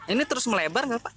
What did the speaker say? ini terus melebar nggak pak